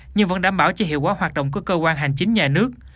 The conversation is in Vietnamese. nhưng vẫn đảm bảo cho hiệu quả hoạt động của cơ quan hành chính nhà nước